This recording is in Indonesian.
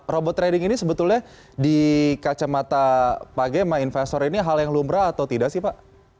robot trading ini sebetulnya di kacamata pak gemma investor ini hal yang lumrah atau tidak sih pak